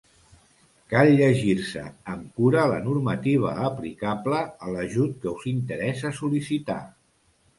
Cal llegir-se amb cura la normativa aplicable a l'ajut que us interessa sol·licitar.